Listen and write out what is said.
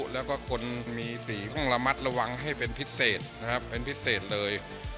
แล้วก็คนมีสีห้องระมัดระวังให้เป็นพิเศษนะครับเป็นพิเศษเลย